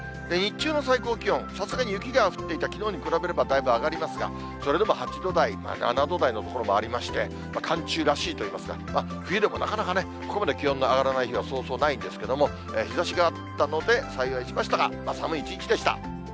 日中の最高気温、さすがに雪が降っていたきのうに比べればだいぶ上がりますが、それでも８度台、７度台の所もありまして、寒中らしいといいますか、冬でもなかなかね、ここまで気温の上がらない日はそうそうないんですけれども、日ざしがあったので幸いしましたが、寒い一日でした。